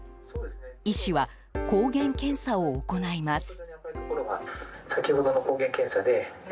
医師は抗原検査を行います。